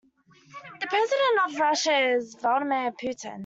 The president of Russia is Vladimir Putin.